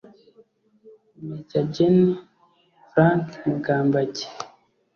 Maj Gen Frank Mugambage